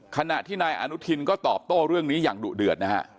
ขณะที่นายอนุทินก็ตอบโต้เรื่องนี้อย่างดุเดือดนะฮะ